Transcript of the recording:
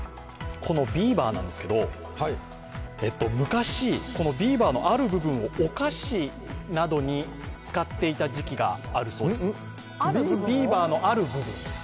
このビーバーなんですけど、昔ビーバーのある部分をお菓子などに使っていた時期があるそうです。